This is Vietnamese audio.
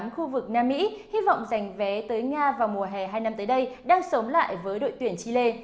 khu vực nam mỹ hy vọng giành vé tới nga vào mùa hè hai năm tới đây đang sống lại với đội tuyển chile